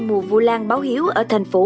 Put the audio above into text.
mùa vua lan báo hiếu ở thành phố